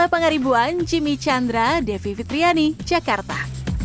pangaribuan jimmy chandra devi fitriani jakarta